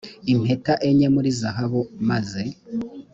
impeta enye muri zahabu maze